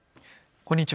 こんにちは。